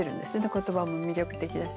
言葉も魅力的だし。